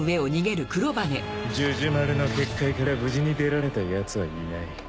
ジュジュマルの結界から無事に出られたヤツはいない。